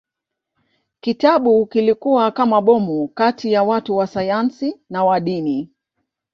Kitabu kilikuwa kama bomu kati ya watu wa sayansi na wa dini.